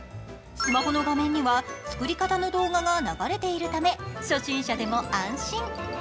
スマホの画面には作り方の動画が流れているため、初心者でも安心。